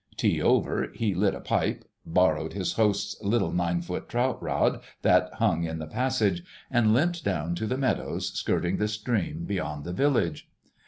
Tea over, he lit a pipe, borrowed his host's little 9 ft. trout rod that hung in the passage, and limped down to the meadows skirting the stream beyond the village.